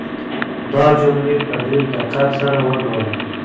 دا جملې په ډېر دقت سره ولولئ.